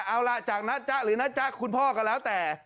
เอาล่ะจากนะจ๊ะหรือนะจ๊ะคุณพ่อก็แล้วแต่